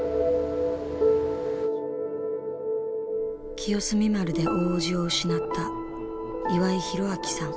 清澄丸で大伯父を失った岩井弘明さん。